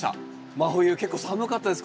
真冬結構寒かったです